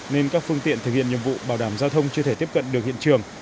nên các phương tiện thực hiện nhiệm vụ bảo đảm giao thông chưa thể tiếp cận được hiện trường